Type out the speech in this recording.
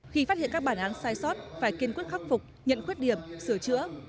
khi phát hiện các bản án sai sót phải kiên quyết khắc phục nhận khuyết điểm sửa chữa